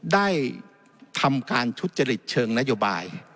ได้ทำการทุจริตเชิงนโยบาย